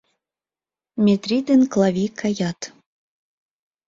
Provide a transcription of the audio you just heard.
Метри ден Клави каят.